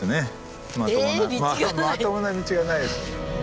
まともな道がないですよ。